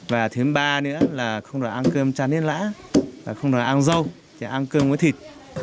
và thứ ba nữa là không được ăn cơm trà nến lã không được ăn rau không được ăn cơm với thịt